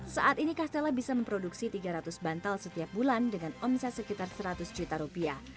saat ini castella bisa memproduksi tiga ratus bantal setiap bulan dengan omset sekitar seratus juta rupiah